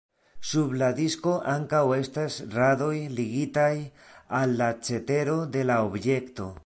Sub la disko ankaŭ estas radoj ligitaj al la cetero de la objekto.